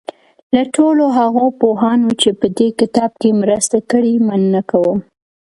له ټولو هغو پوهانو چې په دې کتاب کې مرسته کړې مننه کوم.